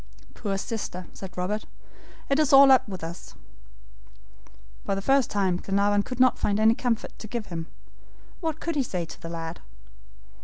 "Poor sister!" said Robert. "It is all up with us." For the first time Glenarvan could not find any comfort to give him. What could he say to the lad?